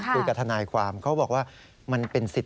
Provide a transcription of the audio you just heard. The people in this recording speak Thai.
ทนายความเขาบอกว่ามันเป็นสิทธิ